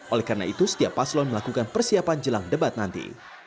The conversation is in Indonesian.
oleh karena itu setiap paslon melakukan persiapan jelang debat nanti